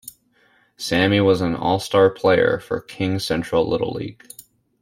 Samie was an All-Star player for King Central little league.